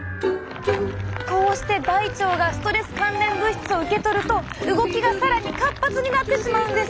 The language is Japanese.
こうして大腸がストレス関連物質を受け取ると動きが更に活発になってしまうんです。